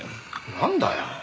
なんだよ！